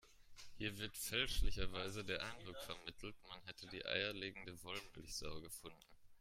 Hier wird fälschlicherweise der Eindruck vermittelt, man hätte die eierlegende Wollmilchsau gefunden.